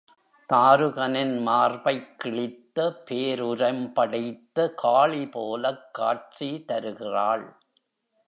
தாருகனின் மார்பைக் கிழித்த பேர்உரம் படைத்த காளிபோலக் காட்சி தருகிறாள்.